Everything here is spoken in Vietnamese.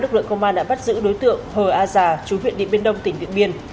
công an bắt giữ đối tượng hờ a già chú huyện địa biên đông tỉnh điện biên